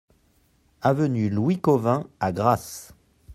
Avenue Louis Cauvin à Grasse